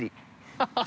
ハハハ